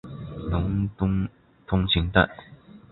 伦敦通勤带。